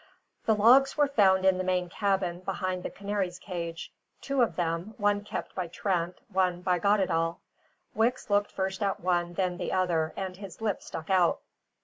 The logs were found in the main cabin behind the canary's cage; two of them, one kept by Trent, one by Goddedaal. Wicks looked first at one, then at the other, and his lip stuck out.